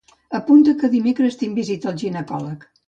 Apunta que dimecres tinc visita al ginecòleg.